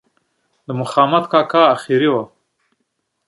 د مخامد کاکا آخري وه.